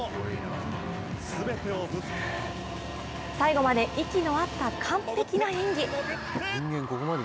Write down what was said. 最後まで息の合った、完璧な演技。